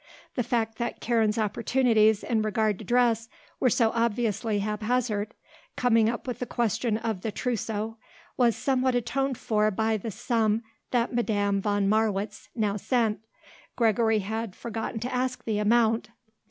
The fact that Karen's opportunities in regard to dress were so obviously haphazard, coming up with the question of the trousseau, was somewhat atoned for by the sum that Madame von Marwitz now sent Gregory had forgotten to ask the amount.